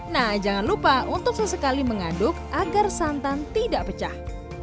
nah jangan lupa untuk sesekali mengaduk agar santan tidak pecah